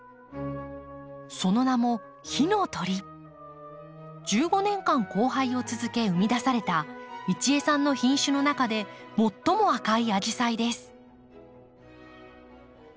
その名も１５年間交配を続け生み出された一江さんの品種の中で最も赤いアジサイです。